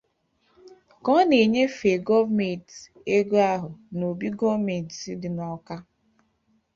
Ka ọ na-enyefe gọọmenti ego ahụ n'obi gọọmenti dị n'Awka